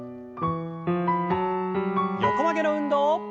横曲げの運動。